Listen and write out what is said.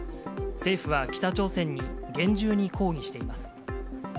政府は北朝鮮に厳重に抗議しています。